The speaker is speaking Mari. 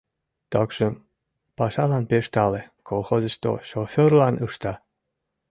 Такшым, пашалан пеш тале: колхозышто шофёрлан ышта.